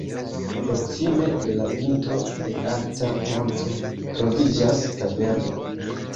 Proksime de la pinto de alta monto troviĝas kaverno.